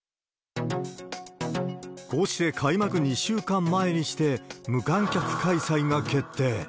こうして、開幕２週間前にして無観客開催が決定。